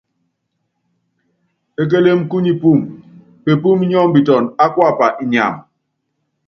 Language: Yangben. Ékélém kú nipúum, pepúúmi nyɔ́mbiton á kuapa inyam.